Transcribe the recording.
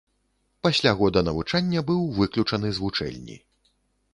Пасля года навучання быў выключаны з вучэльні.